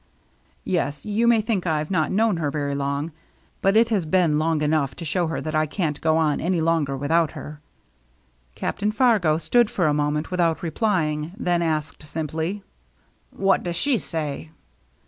" Yes. You may think IVe not known her very long, but it has been long enough to show me that I can*t go on any longer without her." Captain Fargo stood for a moment without replying, then asked simply, "What does she say